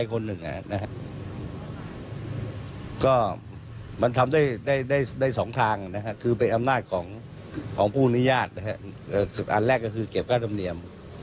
ครับอันแรกก็คือเก็บการทำเนียม